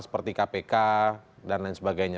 seperti kpk dan lain sebagainya